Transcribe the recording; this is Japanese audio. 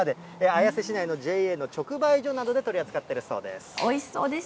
綾瀬市内のＪＡの直売所などで取り扱ってるそうです。